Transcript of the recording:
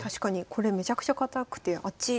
これめちゃくちゃ堅くてあっち